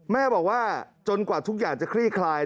แม่บอกว่าจนกว่าทุกอย่างจะคลี่คลาย